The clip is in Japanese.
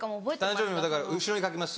誕生日もだから後ろに書きます